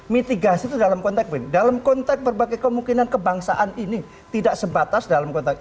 mitigasi itu dalam konteks berbagai kemungkinan kebangsaan ini tidak sebatas dalam konteks